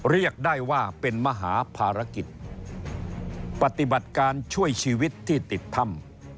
เรียกได้ว่าเป็นมหาภารกิจปฏิบัติการช่วยชีวิตที่ติดถ้ำ